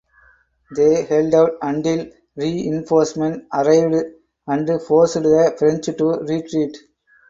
They held out until reinforcements arrived and forced the French to retreat.